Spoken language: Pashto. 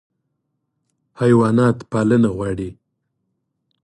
حیوانات پالنه غواړي.